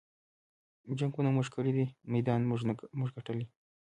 جنګــــونه مونږه کـــــــــړي دي مېدان مونږه ګټلے